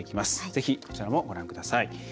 ぜひこちらもご覧ください。